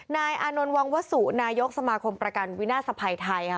อานนท์วังวสุนายกสมาคมประกันวินาศภัยไทยค่ะ